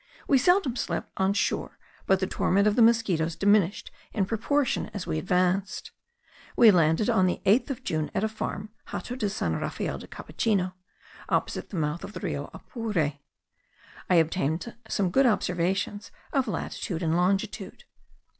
We seldom slept on shore but the torment of the mosquitos diminished in proportion as we advanced. We landed on the 8th of June at a farm (Hato de San Rafael del Capuchino) opposite the mouth of the Rio Apure. I obtained some good observations of latitude and longitude.